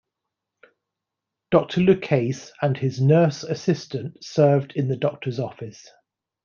Doctor Lucase and his nurse assistant served in the doctor's office.